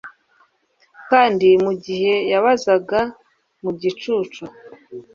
Kandi mugihe yabazaga mu gicucu